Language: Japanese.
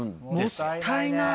もったいない。